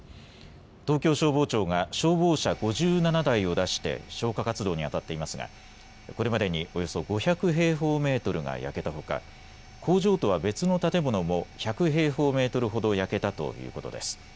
東京消防庁が消防車５７台を出して消火活動にあたっていますがこれまでにおよそ５００平方メートルが焼けたほか工場とは別の建物も１００平方メートルほど焼けたということです。